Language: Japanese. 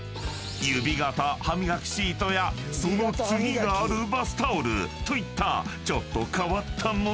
［指型歯みがきシートやその次があるバスタオルといったちょっと変わった物まで］